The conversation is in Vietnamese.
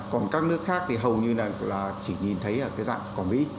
còn các nước khác thì hầu như là chỉ nhìn thấy là cái dạng còn vĩ